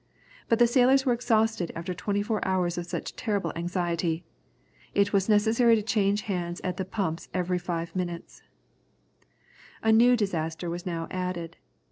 But the sailors were exhausted after twenty four hours of such terrible anxiety. It was necessary to change the hands at the pumps every five minutes. A new disaster was now added.